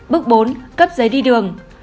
bước bốn cấp giấy đi đường